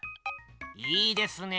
いいですねえ。